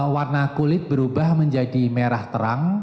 warna kulit berubah menjadi merah terang